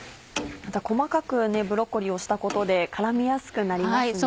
ブロッコリーを細かくしたことで絡みやすくなりますね。